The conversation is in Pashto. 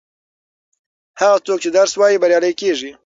هغه څوک چې درس وايي بریالی کیږي.